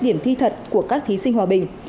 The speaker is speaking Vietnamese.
điểm thi thật của các thí sinh hòa bình